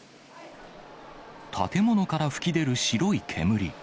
建物から噴き出る白い煙。